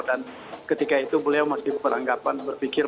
dan ketika itu beliau masih beranggapan berpikir